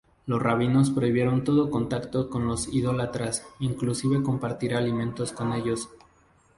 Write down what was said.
Los rabinos prohibieron todo contacto con los idólatras, inclusive compartir alimentos con ellos.